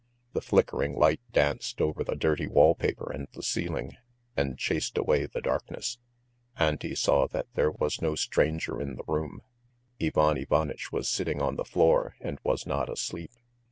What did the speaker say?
The flickering light danced over the dirty wall paper and the ceiling, and chased away the darkness. Auntie saw that there was no stranger in the room. Ivan Ivanitch was sitting on the floor and was not asleep.